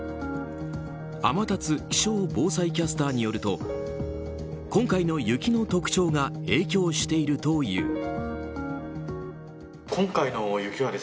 天達気象防災キャスターによると今回の雪の特徴が影響しているという。